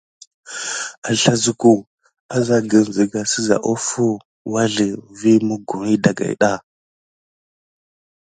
Aslazuko, azargən zegas seza offo wazlə vi moggoni dagayɗa.